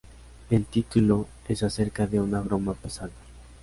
El título es acerca de una broma pesada.